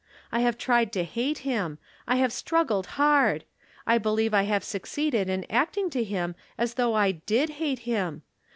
I have tried to hate Inm ; I have struggled hard ; I believe I have succeeded in acting to him as though I did hate him.